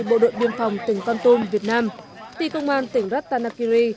bộ đội biên phòng tỉnh con tôn việt nam tỉ công an tỉnh rất tanakiri